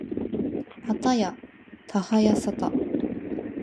はたやたはやさた